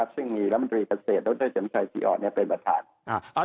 ซึ่งมีรัฐมนตรีเกษตรโดยเต็มใจสีอ่อนเป็นประธาน